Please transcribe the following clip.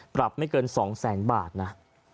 ปรับไม่เกิน๒๐๐๐๐๐บาทนะ